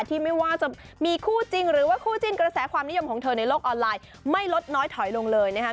ที่ไม่ว่าจะมีคู่จริงหรือว่าคู่จิ้นกระแสความนิยมของเธอในโลกออนไลน์ไม่ลดน้อยถอยลงเลยนะครับ